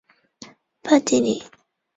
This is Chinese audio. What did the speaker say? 巴蒂尼。